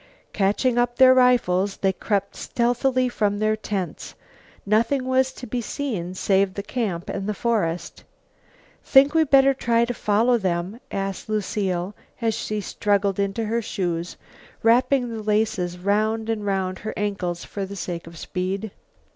Catching up their rifles they crept stealthily from their tents. Nothing was to be seen save the camp and the forest. "Think we better try to follow them?" asked Lucile, as she struggled into her shoes, wrapping the laces round and round her ankles for the sake of speed.